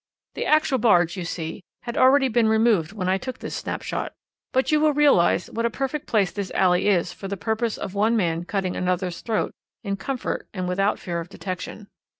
"The actual barge, you see, had already been removed when I took this snapshot, but you will realize what a perfect place this alley is for the purpose of one man cutting another's throat in comfort, and without fear of detection.